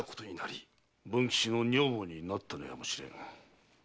文吉の女房になったのやもしれぬ。